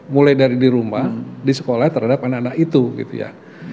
mulai dari di rumah di sekolah terhadap anak anak itu gitu ya